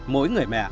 mỗi người mẹ